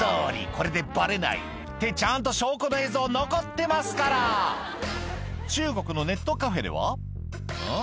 これでバレない」ってちゃんと証拠の映像残ってますから中国のネットカフェではん？